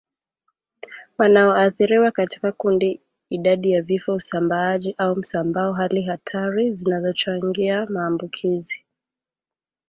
wanaoathiriwa katika kundi idadi ya vifo usambaaji au msambao hali hatari zinazochangia maambukizi